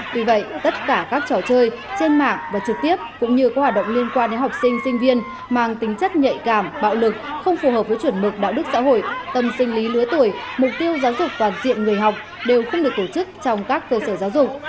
tuy vậy tất cả các trò chơi trên mạng và trực tiếp cũng như có hoạt động liên quan đến học sinh sinh viên mang tính chất nhạy cảm bạo lực không phù hợp với chuẩn mực đạo đức xã hội tâm sinh lý lứa tuổi mục tiêu giáo dục toàn diện người học đều không được tổ chức trong các cơ sở giáo dục